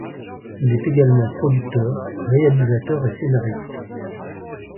Il est également producteur, réalisateur et scénariste.